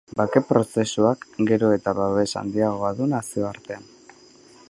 Bake-prozesuak gero eta babes handiagoa du nazioartean.